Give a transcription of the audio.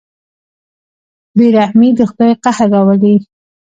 بېرحمي د خدای قهر راولي.